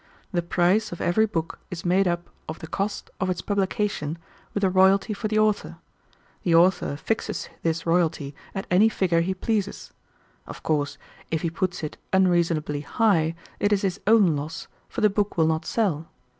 The price of every book is made up of the cost of its publication with a royalty for the author. The author fixes this royalty at any figure he pleases. Of course if he puts it unreasonably high it is his own loss, for the book will not sell.